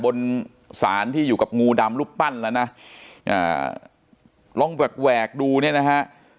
บนสารที่อยู่กับงูดำรูปปั้นแล้วนะลองแหวกแหวกดูเนี่ยนะฮะ